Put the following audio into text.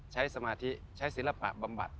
เช้ศมาธิเช้ศีรภะบำบัด